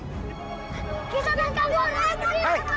kita menangkap orang itu